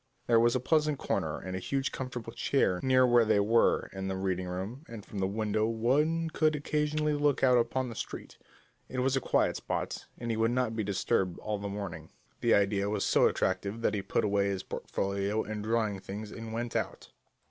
There was a pleasant corner and a huge comfortable chair near where they were in the reading room, and from the window one could occasionally look out upon the street. It was a quiet spot, and he would not be disturbed all the morning. The idea was so attractive that he put away his portfolio and drawing things and went out.